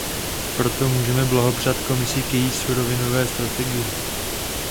Proto můžeme poblahopřát Komisi k její surovinové strategii.